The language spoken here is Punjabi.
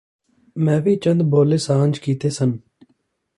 ਮੈਂ ਵੀ ਚੰਦ ਬੋਲ ਸਾਂਝੇ ਕੀਤੇ ਸਨ